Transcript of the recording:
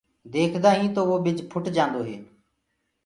ديکدآ هين تو وو ٻج ڦٽ جآندو هي